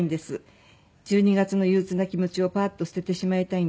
「１２月の憂鬱な気持ちをパーッと捨ててしまいたいんです」